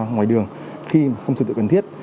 người đường khi không sự tự cần thiết